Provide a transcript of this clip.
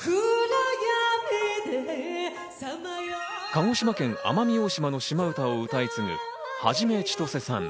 鹿児島県奄美大島のシマ唄を歌い継ぐ元ちとせさん。